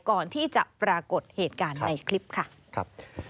ก่อนที่จะปรากฏเหตุการณ์ในคลิปค่ะครับ